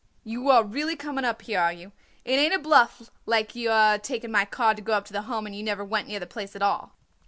"You are really coming up here, are you? It ain't a bluff, like you are taking my card to go up to the Home and you never went near the place at all."